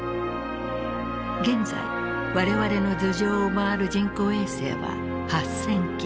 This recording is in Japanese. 現在我々の頭上を回る人工衛星は８，０００基。